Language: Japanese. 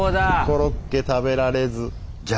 コロッケ食べられず。